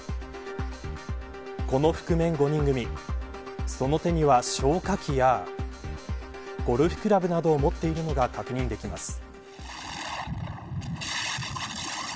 この覆面５人組その手には消火器やゴルフクラブなどを持っているのが確認できます。